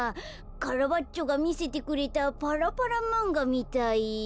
カラバッチョがみせてくれたパラパラまんがみたい。